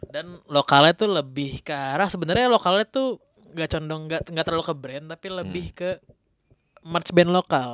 dan lokalnya tuh lebih ke arah sebenernya lokalnya tuh gak condong gak terlalu ke brand tapi lebih ke merch band lokal